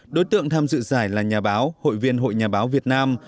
đối tượng tham dự giải là nhà báo hội viên hội nhà báo việt nam